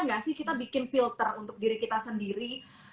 gak sih kita bikin filter untuk diri kita sendiri